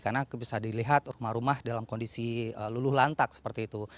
karena bisa dilihat rumah rumah dalam kondisi luluh lantak seperti itu